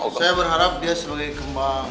saya berharap dia sebagai kembang